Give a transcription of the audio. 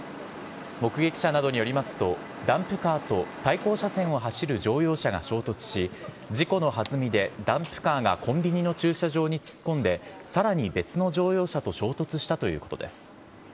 目撃者などによりますと、ダンプカーと対向車線を走る乗用車が衝突し、事故の弾みでダンプカーがコンビニの駐車場に突っ込んで、さらに別の乗用車と衝突したということです。